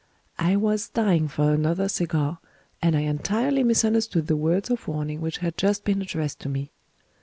I was dying for another cigar, and I entirely misunderstood the words of warning which had just been addressed to me.